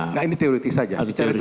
nah ini teori saja